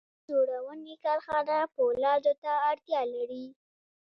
د موټر جوړونې کارخانه پولادو ته اړتیا لري